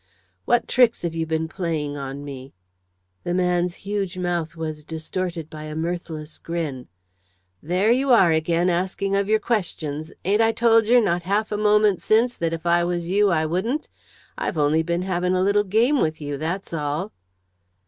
"What tricks have you been playing on me?" The man's huge mouth was distorted by a mirthless grin. "There you are again, asking of your questions. Ain't I told yer, not half a moment since, that if I was you I wouldn't? I've only been having a little game with you, that's all."